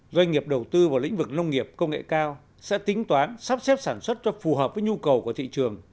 doanh nghiệp đầu tư vào lĩnh vực nông nghiệp công nghệ cao sẽ tính toán sắp xếp sản xuất cho phù hợp với nhu cầu của thị trường